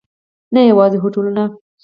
نه یوازې هوټلونه.